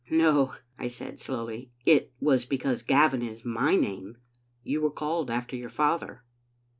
"No," I said slowly, "it was because Gavin is my name. You were called after your father.